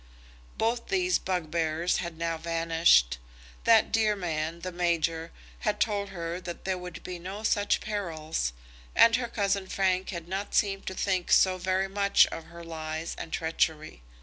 Both these bugbears had now vanished. That dear man, the major, had told her that there would be no such perils, and her cousin Frank had not seemed to think so very much of her lies and treachery!